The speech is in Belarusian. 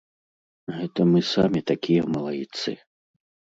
Гэта мы самі такія малайцы.